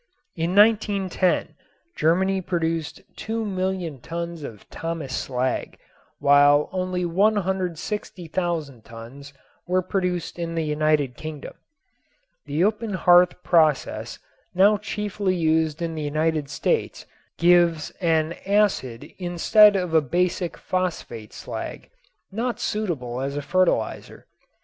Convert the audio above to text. In 1910 Germany produced 2,000,000 tons of Thomas slag while only 160,000 tons were produced in the United Kingdom. The open hearth process now chiefly used in the United States gives an acid instead of a basic phosphate slag, not suitable as a fertilizer.